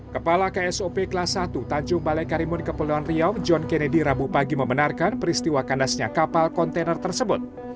kepala ksop kelas satu tanjung balai karimun kepulauan riau john kennedy rabu pagi membenarkan peristiwa kandasnya kapal kontainer tersebut